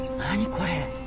これ。